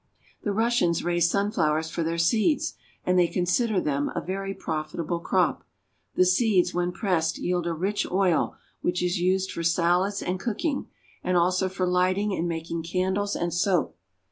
The Russians raise sunflowers for their seeds, and they consider them a very profitable crop. The seeds when pressed yield a rich oil, which is used for salads and cooking, and also for lighting and making candles and soap.